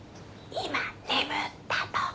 今眠ったとこ。